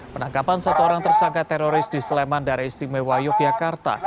penangkapan satu orang tersangka teroris di sleman daerah istimewa yogyakarta